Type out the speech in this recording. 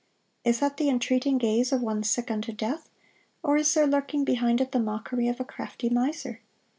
Is that the entreating gaze of one sick unto death, or is there lurking behind it the mockery of a crafty miser?